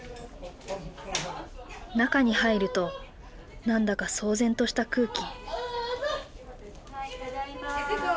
中に入ると何だか騒然とした空気。